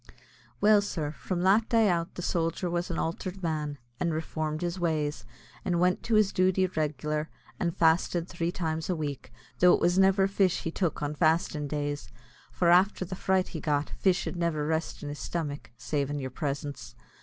Well, sir, from that day out the sojer was an altered man, and reformed his ways, and went to his duty reg'lar, and fasted three times a week though it was never fish he tuk an fastin' days, for afther the fright he got, fish id never rest an his stomach savin' your presence.